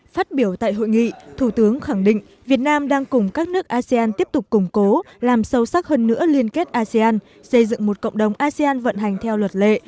phát biểu tại hội nghị thủ tướng khẳng định việt nam đang cùng các nước asean tiếp tục củng cố làm sâu sắc hơn nữa liên kết asean xây dựng một cộng đồng asean vận hành theo luật lệ